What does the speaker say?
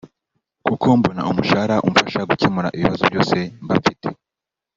kuko mbona umushahara umfasha gukemura ibibazo byose mba mfite